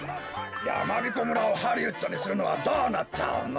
やまびこ村をハリウッドにするのはどうなっちゃうの？